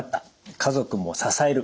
家族も支える。